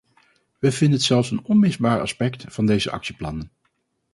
Wij vinden het zelfs een onmisbaar aspect van deze actieplannen.